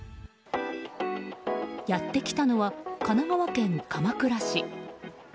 やってきたのは神奈川県鎌倉市。